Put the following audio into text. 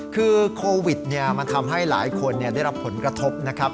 คือโควิดมันทำให้หลายคนได้รับผลกระทบนะครับ